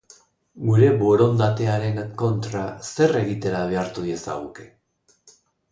Gure borondatearen kontra zer egitera behartu diezaguke?